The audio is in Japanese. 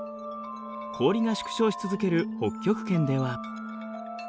氷が縮小し続ける北極圏では。